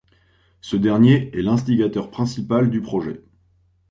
Ce dernier est l'instigateur principal du projet.